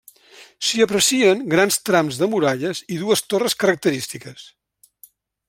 S'hi aprecien grans trams de muralles i dues torres característiques.